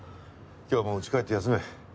今日はもう家帰って休め。